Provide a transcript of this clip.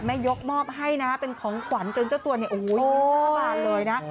แม่ยกมอบให้นะฮะเป็นของขวัญจนเจ้าตัวเนี่ยโอ้โหยืน๙บาทเลยนะ